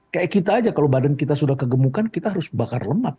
kayak kita aja kalau badan kita sudah kegemukan kita harus bakar lemak